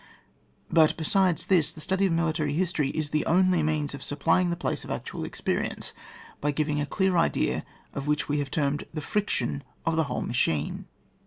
But, besides this, the study of military history is the only means of supplying the place of actual experience, by giving a clear idea of that which we have termed the friction of the whole machine.